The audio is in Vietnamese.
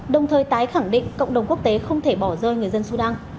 đồng thời tái khẳng định cộng đồng quốc tế không thể bỏ rơi người dân sudan